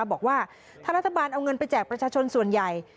บอกว่าถ้ารัฐบาลเอาเงินไปแจกประชาชนส่วนใหญ่